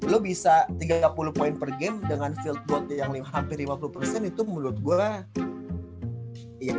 lo bisa tiga puluh poin per game dengan field boatnya yang hampir lima puluh persen itu menurut gue